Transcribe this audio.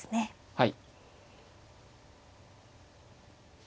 はい。